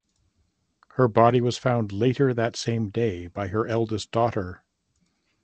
Her body was found later that same day by her eldest daughter.